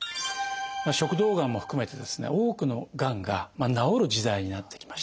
食道がんも含めてですね多くのがんが治る時代になってきました。